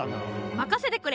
任せてくれ。